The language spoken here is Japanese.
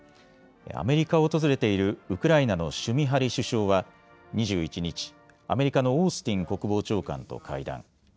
アメリカを訪れているウクライナのシュミハリ首相は２１日、アメリカのオースティン国防長官と会談。